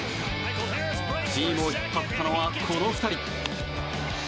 チームを引っ張ったのはこの２人。